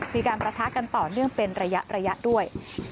มีการประทะกันต่อเนื่องเป็นระยะด้วย